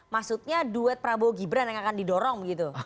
maksudnya duet prabowo gibran yang akan didorong begitu